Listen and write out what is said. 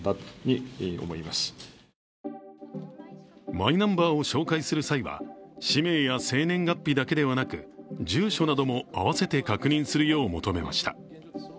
マイナンバーを照会する際は氏名や生年月日だけでなく住所なども併せて確認するよう求めました。